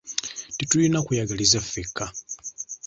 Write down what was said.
Tetulina kweyagaliza ffeka.